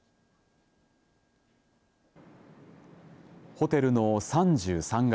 ホテルの３３階。